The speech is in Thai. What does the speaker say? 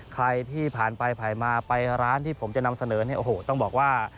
ใครที่ผ่านไปผ่ายมาไปร้านที่ผมจะนำเสนอต้องบอกว่า